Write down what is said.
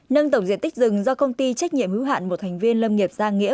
nâng tổng diện tích rừng do công ty trách nhiệm hữu hạn một thành viên lâm nghiệp giang nghĩa